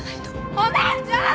お姉ちゃん！